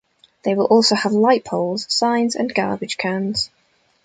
They will also have light poles, signs, and garbage cans.